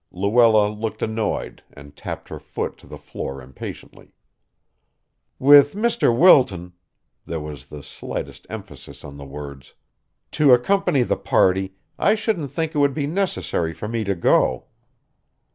Luella looked annoyed, and tapped her foot to the floor impatiently. "With Mr. Wilton," there was the slightest emphasis on the words, "to accompany the party, I shouldn't think it would be necessary for me to go."